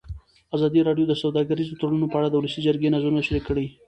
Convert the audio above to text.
ازادي راډیو د سوداګریز تړونونه په اړه د ولسي جرګې نظرونه شریک کړي.